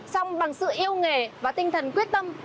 xong bằng sự yêu nghề và tinh thần quyết tâm